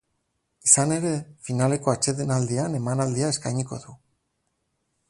Izan ere, finaleko atsedenaldian emanaldia eskainiko du.